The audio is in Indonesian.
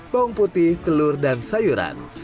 bawang putih telur dan sayuran